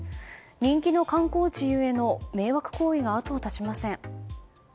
人気の観光地ゆえの迷惑行為が後を絶ちません。